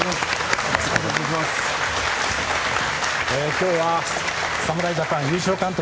今日は侍ジャパン優勝監督